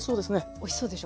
おいしそうでしょ？